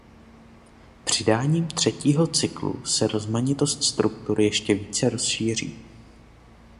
Přidáním třetího cyklu se rozmanitost struktur ještě více rozšíří.